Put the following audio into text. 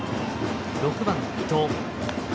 ６番の伊藤。